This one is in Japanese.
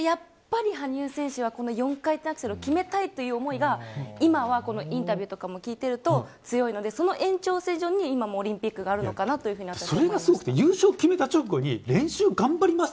ですけど、やっぱり羽生選手は４回転アクセルを決めたいという思いが今は、インタビューとかも聞いていると強いのでその延長線上に、今もオリンピックがあるのかと思います。